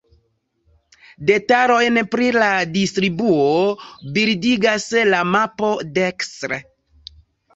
Detalojn pri la distribuo bildigas la mapo dekstre.